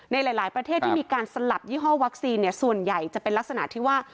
ในหลายประเทศที่มีการสลับยี่ห้อวัคซีนส่วนใหญ่จะเป็นลักษณะที่ว่า